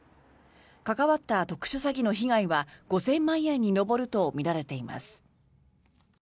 関わった特殊詐欺の被害は５０００万円に上るとみられています。